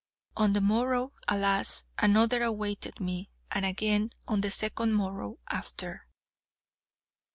On the morrow, alas, another awaited me; and again on the second morrow after.